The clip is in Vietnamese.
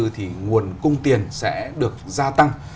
thì nguồn cung tiền sẽ được gia tăng